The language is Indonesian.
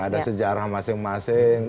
ada sejarah masing masing